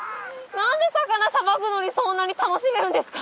何で魚さばくのにそんなに楽しめるんですか？